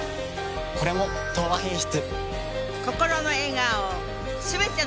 これも「東和品質」。